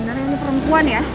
beneran ini perempuan ya